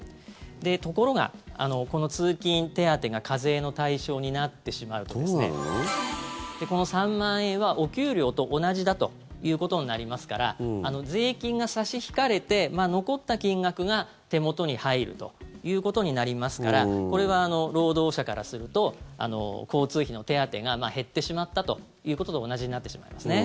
ところが、この通勤手当が課税の対象になってしまうとこの３万円はお給料と同じだということになりますから税金が差し引かれて残った金額が手元に入るということになりますからこれは労働者からすると交通費の手当てが減ってしまったということと同じになってしまいますね。